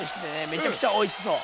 めちゃくちゃおいしそう。